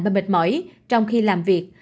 và mệt mỏi trong khi làm việc